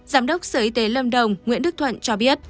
giám đốc sở y tế lâm đồng nguyễn đức thuận cho biết